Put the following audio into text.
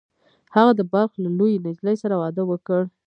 هغه د بلخ له یوې نجلۍ سره واده وکړ